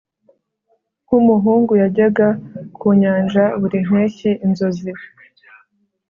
nkumuhungu, yajyaga ku nyanja buri mpeshyi inzozi